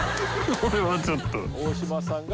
これはちょっと。